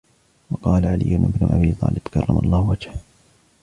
وَقَالَ عَلِيُّ بْنُ أَبِي طَالِبٍ كَرَّمَ اللَّهُ وَجْهَهُ